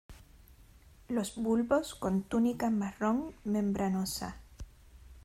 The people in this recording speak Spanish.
Los bulbos con túnica marrón membranosa.